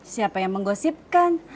siapa yang menggosipkan